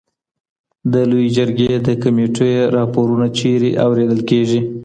د لويي جرګې د کمېټو راپورونه چېرته اورېدل کېږي؟